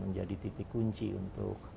menjadi titik kunci untuk